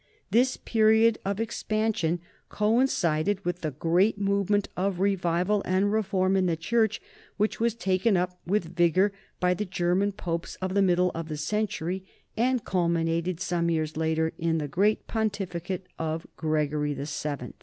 This period of expansion coincided with the great movement of re vival and reform in the church which was taken up with vigor by the German Popes of the middle of the century and culminated some years later in the great pontificate of Gregory VII.